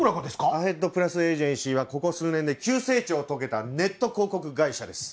アヘッドプラスエージェンシーはここ数年で急成長を遂げたネット広告会社です。